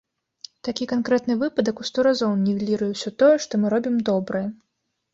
Такі канкрэтны выпадак ў сто разоў нівеліруе ўсё тое, што мы робім добрае.